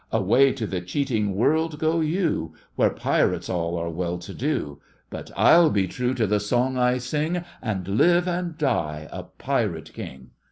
Away to the cheating world go you, Where pirates all are well to do; But I'll be true to the song I sing, And live and die a Pirate King.